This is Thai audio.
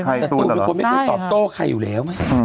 ใช่ท่วนต่อขไม่ได้ตอบโตขใครอยู่แล้ว